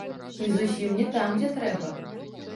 І зусім не там, дзе трэба.